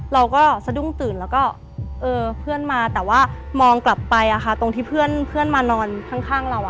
เราก็สะดุ้งตื่นแล้วก็เพื่อนมาแต่ว่ามองกลับไปตรงที่เพื่อนมานอนข้างเรา